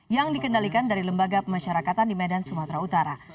yang dikendalikan dari lembaga pemasyarakatan di medan sumatera utara